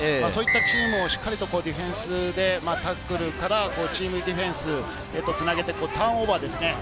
そういったチームをしっかりとディフェンスでタックルからチームディフェンスへとつなげて、ターンオーバーですね。